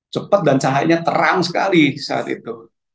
cepat dan cahayanya terang sekali saat itu